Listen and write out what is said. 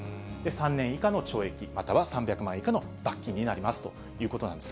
３年以下の懲役または３００万円以下の罰金になりますということなんです。